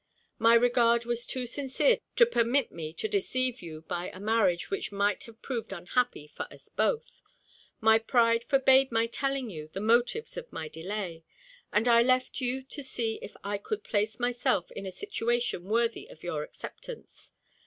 My regard was too sincere to permit me to deceive you by a marriage which might have proved unhappy for us both. My pride forbade my telling you the motives of my delay; and I left you to see if I could place myself in a situation worthy of your acceptance.